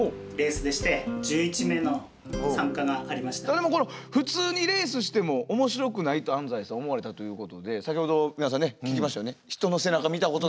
でもこれ普通にレースしても面白くないと安斎さん思われたということで先ほど皆さんね聞きましたよね。